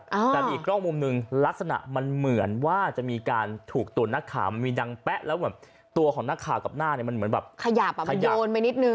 แต่อีกร่องมุมหนึ่งลักษณะมันเหมือนว่าจะมีการถุกตัวนักข่ามมันมีดังแปะแล้วแบบตัวของนักข่าวกับหน้าแบบขยับอะโยนไปนิดนึง